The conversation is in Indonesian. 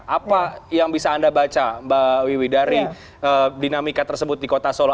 apa yang bisa anda baca mbak wiwi dari dinamika tersebut di kota solo